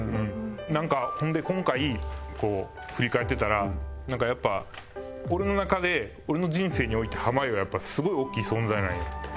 なんかほんで今回振り返ってたらなんかやっぱ俺の中で俺の人生において濱家はやっぱりすごい大きい存在なんよ。